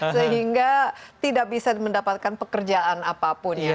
sehingga tidak bisa mendapatkan pekerjaan apapun ya